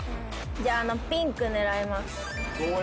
じゃああのピンク狙います